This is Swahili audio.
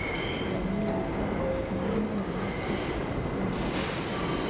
Jamii ilitoa boti nne na watu wa kutuongoza kwenda